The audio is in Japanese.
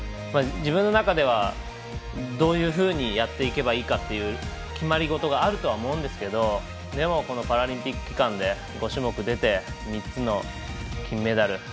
自分の中ではどういうふうにやっていけばいいかという決まりごとがあるとは思うんですけどこのパラリンピック期間で５種目出て、３つの金メダル。